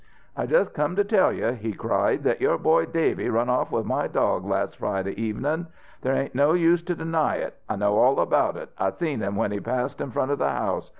"I just come to tell you," he cried, "that your boy Davy run off with my dog las' Friday evenin'! There ain't no use to deny it. I know all about it. I seen him when he passed in front of the house.